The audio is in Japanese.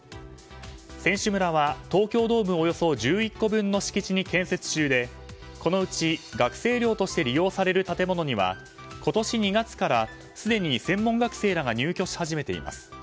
選手村は東京ドームおよそ１１個分の敷地に建設中でこのうち学生寮として利用される建物には今年２月からすでに専門学生らが入居し始めています。